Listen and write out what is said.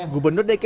gubernur dki jawa